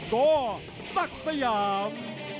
ก็สักสยาม